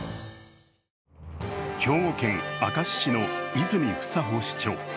兵庫県明石市の泉房穂市長。